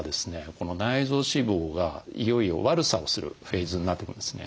この内臓脂肪がいよいよ悪さをするフェーズになってくるんですね。